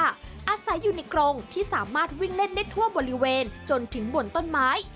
อาศัยอยู่ในกรงที่สามารถวิ่งเล่นได้ทั่วบริเวณจนถึงบนต้นไม้